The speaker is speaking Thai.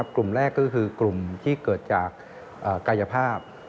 กลุ่มแรกก็คือกลุ่มที่เกิดจากกายภาพ